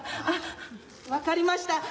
あっ分かりました。